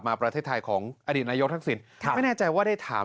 ประเทศไทยของอดีตนายกทักษิณไม่แน่ใจว่าได้ถาม